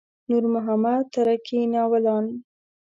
نور محمد تره کي ناولان.